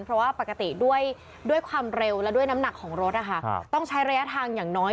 เพราะว่าปกติด้วยความเร็วและด้วยน้ำหนักของรถต้องใช้ระยะทางอย่างน้อย